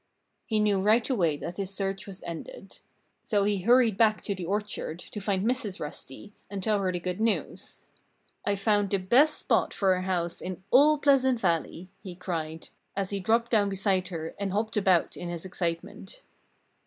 He knew right away that his search was ended. So he hurried back to the orchard to find Mrs. Rusty and tell her the good news. "I've found the best spot for a house in all Pleasant Valley!" he cried, as he dropped down beside her and hopped about in his excitement.